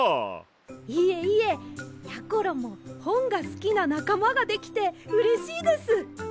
いえいえやころもほんがすきななかまができてうれしいです！